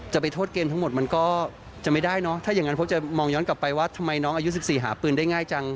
จะไปโทษเกมทั้งหมดมันก็จะไม่ได้เนอะถ้าอย่างนั้นเพราะจะมองย้อนกลับไปว่าทำไมน้องอายุ๑๔หาปืนได้ง่ายจัง